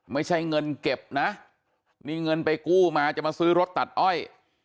ไม่ใช่เงินเก็บนะนี่เงินไปกู้มาจะมาซื้อรถตัดอ้อย